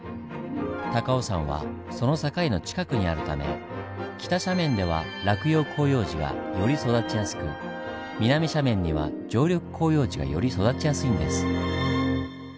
高尾山はその境の近くにあるため北斜面では落葉広葉樹がより育ちやすく南斜面には常緑広葉樹がより育ちやすいんです。